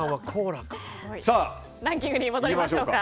ランキングに戻りましょうか。